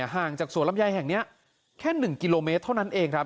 ห่างจากสวนลำไยแห่งนี้แค่๑กิโลเมตรเท่านั้นเองครับ